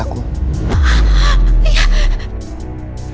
sudahpun tante handis